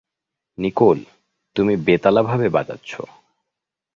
Nicole, তুমি বেতালাভাবে বাজাচ্ছো।